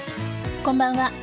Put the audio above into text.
こんばんは。